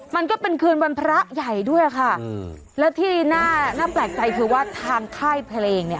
มันก็เป็นคืนวันพระใหญ่ด้วยค่ะแล้วที่น่าแปลกใจคือว่าทางค่ายเพลงเนี่ย